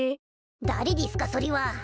誰でぃすかそりは。